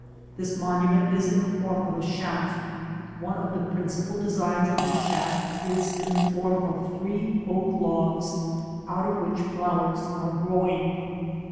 This monument is in the form of a shaft. One of the principal designs on this shaft is in the form of three oak logs out of which flowers are growing.